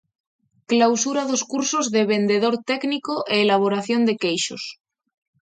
"Clausura dos Cursos de "Vendedor Técnico" e "Elaboración de Queixos"."